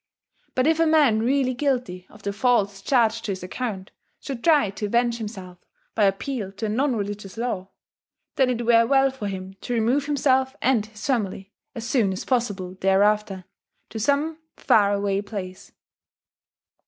But if a man really guilty of the faults charged to his account should try to avenge himself by appeal to a non religious law, then it were well for him to remove himself and his family, as soon as possible thereafter, to some far away place.